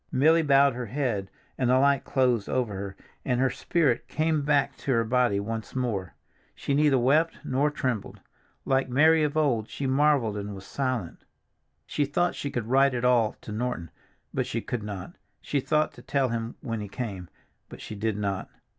Milly bowed her head and the light closed over her and her spirit came back to her body once more. She neither wept nor trembled; like Mary of old she marveled and was silent. She thought she would write it all to Norton, but she could not; she thought to tell him when he came, but she did not.